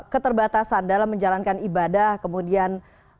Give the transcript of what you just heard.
keterbatasan dalam menjalankan ibadah kemudian